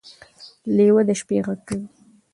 لیوه د شپې غږ کوي.